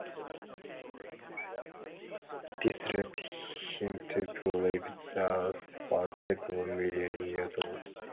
This led him to believe the Earth was several million years old.